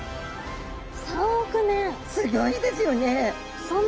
すギョいですよね。